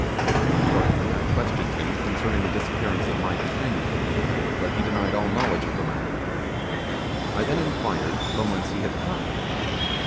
Accordingly I questioned him concerning the disappearance of my companion, but he denied all knowledge of the matter. I then inquired from whence he had come?